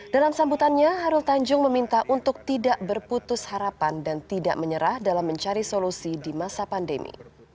dalam sambutannya harul tanjung meminta untuk tidak berputus harapan dan tidak menyerah dalam mencari solusi di masa pandemi